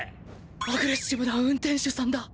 アグレッシブな運転手さんだ